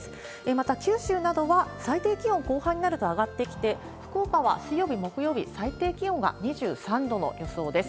また九州などは最低気温、後半になると上がってきて、福岡は水曜日、木曜日、最低気温が２３度の予想です。